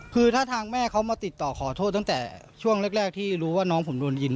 คือถ้าทางแม่เขามาติดต่อขอโทษตั้งแต่ช่วงแรกที่รู้ว่าน้องผมโดนยิง